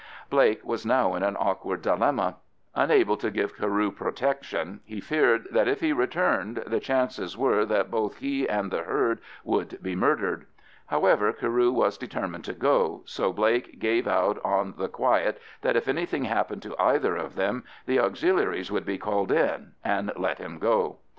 Blake was now in an awkward dilemma. Unable to give Carew protection, he feared that if he returned the chances were that both he and the herd would be murdered. However, Carew was determined to go, so Blake gave out on the quiet that if anything happened to either of them the Auxiliaries would be called in, and let him go.